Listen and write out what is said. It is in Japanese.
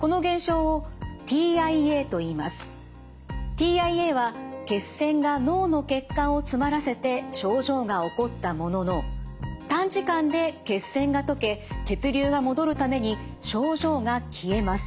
ＴＩＡは血栓が脳の血管を詰まらせて症状が起こったものの短時間で血栓が溶け血流が戻るために症状が消えます。